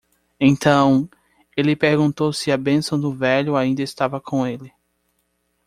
Então,? ele perguntou se a bênção do velho ainda estava com ele.